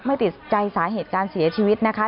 ไม่ติดใจสาเหตุการเสียชีวิตนะคะ